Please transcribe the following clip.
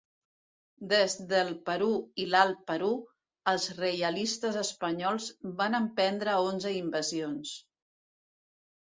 Des del Perú i l'alt Perú, els reialistes espanyols van emprendre onze invasions.